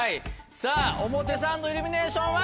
さぁ表参道イルミネーションは。